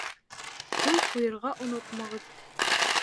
Ҡул ҡуйырға онотмағыҙ.